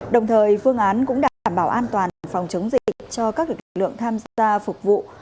đồng thời phương án cũng đã đảm bảo an toàn phòng chống dịch cho các lực lượng tham gia phục vụ